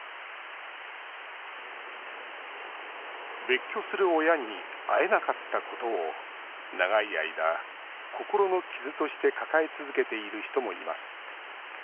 別居する親に会えなかったことを長い間、心の傷として抱え続けている人もいます。